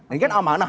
ini kan amanah